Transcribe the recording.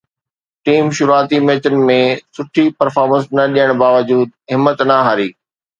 team شروعاتي ميچن ۾ سٺي پرفارمنس نه ڏيڻ باوجود همت نه هاري